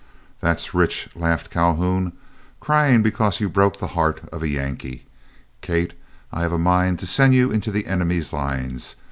"That's rich," laughed Calhoun; "crying because you broke the heart of a Yankee! Kate, I have a mind to send you into the enemy's lines.